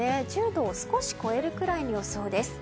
１０度を少し超えるくらいの予想です。